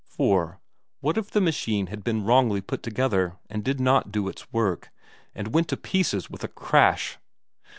For what if the machine had been wrongly put together and did not do its work, but went to pieces with a crash!